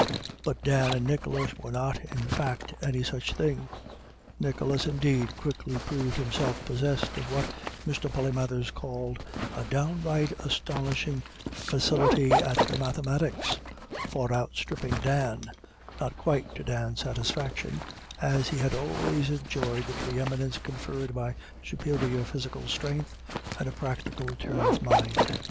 But Dan and Nicholas were not, in fact, any such thing. Nicholas, indeed, quickly proved himself possessed of what Mr. Polymathers called "a downright astonishin' facility at the mathematics," far out stripping Dan, not quite to Dan's satisfaction, as he had always enjoyed the pre eminence conferred by superior physical strength and a practical turn of mind.